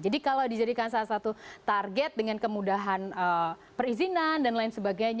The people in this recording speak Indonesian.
jadi kalau dijadikan salah satu target dengan kemudahan perizinan dan lain sebagainya